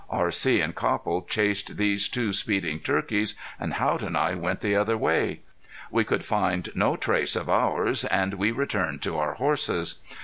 R.C. and Copple chased these two speeding turkeys, and Haught and I went the other way. We could find no trace of ours. And we returned to our horses.